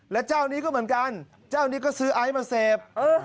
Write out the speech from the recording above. แล้วเจ้านี้ก็เหมือนกันเจ้านี้ก็ซื้อไอซ์มาเสพ